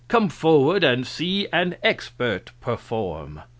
Come forward and see an expert perform."